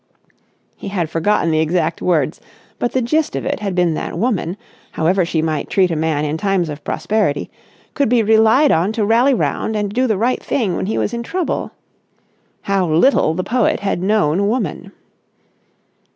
He had forgotten the exact words, but the gist of it had been that Woman, however she might treat a man in times of prosperity, could be relied on to rally round and do the right thing when he was in trouble. How little the poet had known woman.